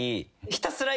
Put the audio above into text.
ひたすら。